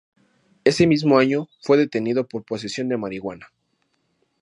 Ese mismo año fue detenido por posesión de marihuana.